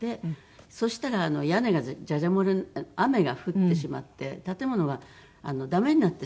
そしたら屋根がじゃじゃ漏れ雨が降ってしまって建物が駄目になってしまうんですね